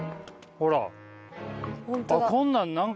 ほら。